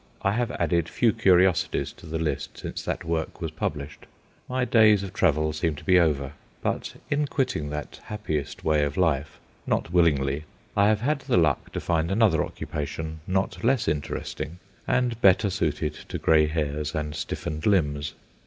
I have added few curiosities to the list since that work was published. My days of travel seem to be over; but in quitting that happiest way of life not willingly I have had the luck to find another occupation not less interesting, and better suited to grey hairs and stiffened limbs.